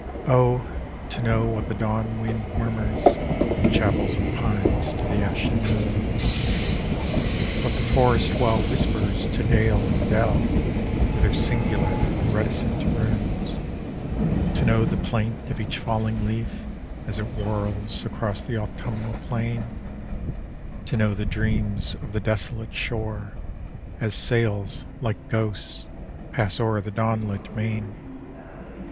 Oh, to know what the dawn wind murmurs In chapels of pineB to the ashen noons; What the forest well whispers to dale and dell With her singular, reticent runes; To know the plaint of each falling leaf As it whirls across the autumnal plain; To know the dr or the desolate shore As sails, like ghosts, pass o'er the dawn lit main!